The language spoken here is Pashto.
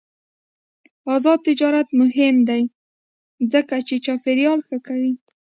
آزاد تجارت مهم دی ځکه چې چاپیریال ښه کوي.